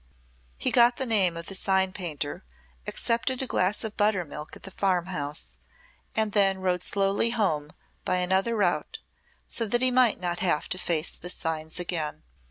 He got the name of the sign painter, accepted a glass of buttermilk at the farm house, and then rode slowly home by another route, so that he might not have to face the signs again.